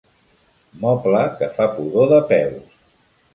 Moble que fa pudor de peus.